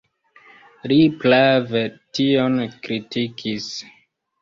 Li prave tion kritikis.